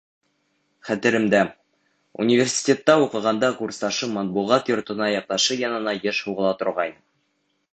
Хәтеремдә, университетта уҡығанда курсташым Матбуғат йортона яҡташы янына йыш һуғыла торғайны.